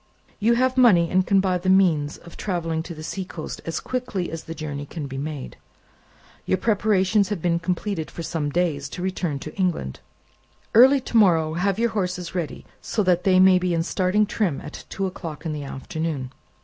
"You have money, and can buy the means of travelling to the seacoast as quickly as the journey can be made. Your preparations have been completed for some days, to return to England. Early to morrow have your horses ready, so that they may be in starting trim at two o'clock in the afternoon."